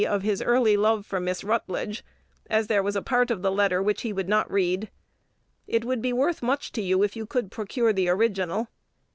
of his early love for Miss Rutledge, as there was a part of the letter which he would not read. It would be worth much to you, if you could procure the original.